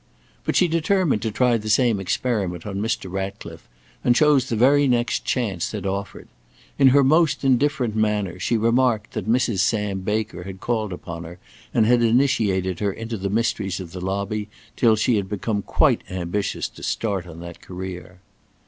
But she determined to try the same experiment on Mr. Ratcliffe, and chose the very next chance that offered. In her most indifferent manner she remarked that Mrs. Sam Baker had called upon her and had initiated her into the mysteries of the lobby till she had become quite ambitious to start on that career.